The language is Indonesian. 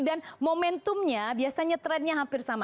dan momentumnya biasanya trennya hampir sama